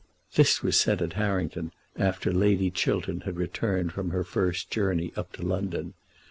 This was said at Harrington after Lady Chiltern had returned from her first journey up to London.